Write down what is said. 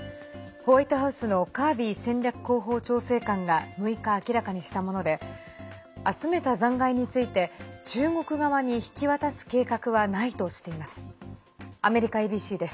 ホワイトハウスのカービー戦略広報調整官が６日、明らかにしたもので集めた残骸について中国側に引き渡す計画はないとしています。